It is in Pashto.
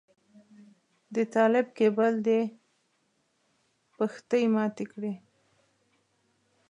د طالب کيبل دې پښتۍ ماتې کړې.